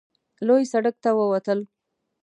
لوی سړک ته ووتل.